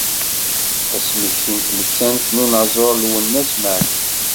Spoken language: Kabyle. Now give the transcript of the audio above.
Asmekti n tmettant n unaẓur Lwennas Meɛtub.